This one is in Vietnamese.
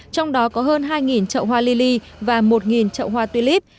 trong đó có hơn hai trậu hoa lili và một trậu hoa tuy líp